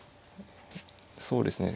そうですね